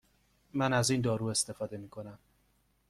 من از این دارو استفاده می کنم.